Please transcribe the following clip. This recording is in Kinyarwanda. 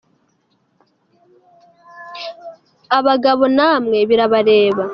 Abagabo namwe birabareba